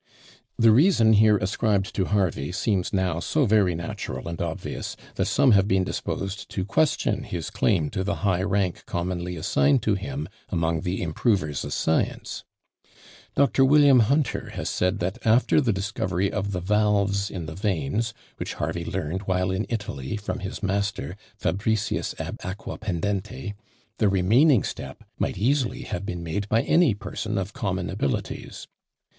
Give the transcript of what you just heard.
The reason here ascribed to Harvey seems now so very natural and obvious, that some have been disposed to question his claim to the high rank commonly assigned to him among the improvers of science! Dr. William Hunter has said that after the discovery of the valves in the veins, which Harvey learned while in Italy from his master, Fabricius ab Aquapendente, the remaining step might easily have been made by any person of common abilities.